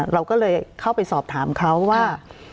เราก็เลยเข้าไปสอบถามเขาว่า